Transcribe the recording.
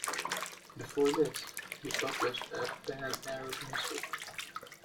Before this, he published a pan-Arab newspaper.